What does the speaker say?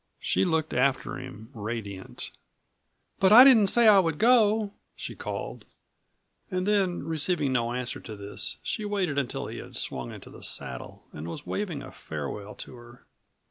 She looked after him, radiant. "But I didn't say I would go," she called. And then, receiving no answer to this, she waited until he had swung into the saddle and was waving a farewell to her.